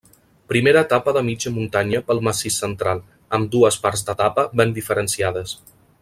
Primera etapa de mitja muntanya pel massís Central, amb dues parts d'etapa ben diferenciades.